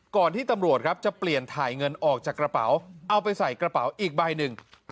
ที่ตำรวจครับจะเปลี่ยนถ่ายเงินออกจากกระเป๋าเอาไปใส่กระเป๋าอีกใบหนึ่ง